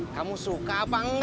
kamu suka apa enggak